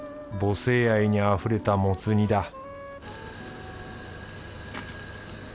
母性愛にあふれたもつ煮だ